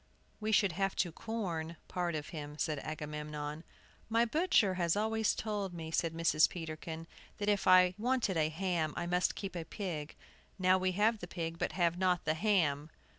"We should have to 'corn' part of him," said Agamemnon. "My butcher has always told me," said Mrs. Peterkin, "that if I wanted a ham I must keep a pig. Now we have the pig, but have not the ham!"